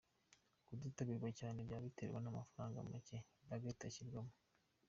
Kutitabirwa cyane byaba biterwa n’amafaranga macye “Budget” ashyirwamo?.